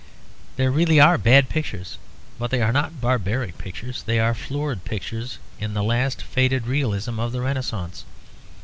There really are bad pictures but they are not barbaric pictures; they are florid pictures in the last faded realism of the Renascence.